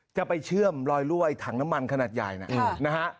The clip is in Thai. จะไปเชื่อมลอยรั่วยถังน้ำมันขนาดใหญ่นะฮะ